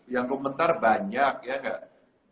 yang komentar banyak ya nggak